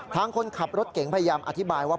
คนขับรถเก่งพยายามอธิบายว่า